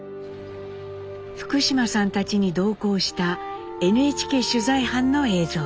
福島さんたちに同行したＮＨＫ取材班の映像です。